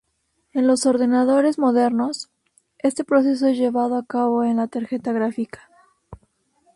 En los ordenadores modernos, este proceso es llevado a cabo en la tarjeta gráfica.